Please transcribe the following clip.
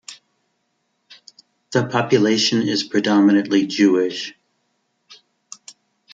The population is predominantly Jewish.